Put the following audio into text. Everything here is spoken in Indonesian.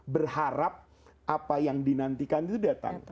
berharap apa yang dinantikan itu datang